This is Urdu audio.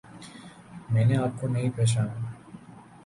میں نے آپ کو نہیں پہچانا